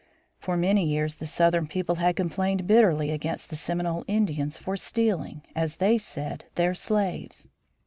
For many years the Southern people had complained bitterly against the Seminole Indians for "stealing," as they said, their slaves.